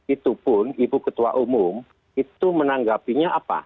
itu pun ibu ketua umum itu menanggapinya apa